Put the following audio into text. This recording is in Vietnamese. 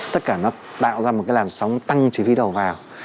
tất cả nó tạo ra một cái làn sóng tăng chi phí đầu vào